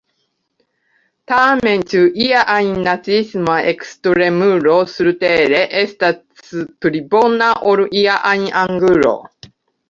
Tamen: ĉu ia ajn naciisma ekstremulo surtere estas pli bona ol ia ajn anglo?